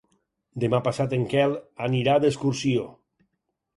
Demà passat en Quel anirà d'excursió.